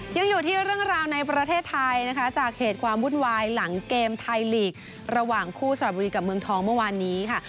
ยังอยู่ที่เรื่องราวในประเทศไทยนะคะจากเหตุความวุ่นวายหลังเกมไทยลีกระหว่างคู่สระบุรีกับเมืองทองเมื่อวานนี้ค่ะ